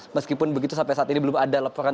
meskipun begitu sampai saat ini belum ada laporan